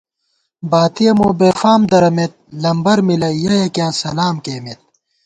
باتِیَہ مو بېفام دَرَمېت، لمبَر مِلَئ یَہ یَکِیاں سلام کېئیمېت